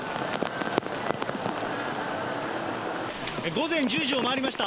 午前１０時を回りました。